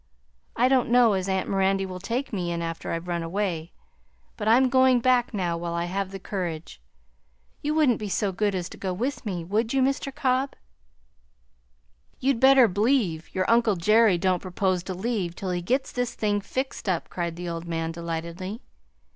I don't know as aunt Mirandy will take me in after I've run away, but I'm going back now while I have the courage. You wouldn't be so good as to go with me, would you, Mr. Cobb?" "You'd better b'lieve your uncle Jerry don't propose to leave till he gits this thing fixed up," cried the old man delightedly.